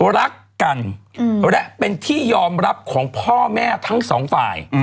รักกันและเป็นที่ยอมรับของพ่อแม่ทั้งสองฝ่าย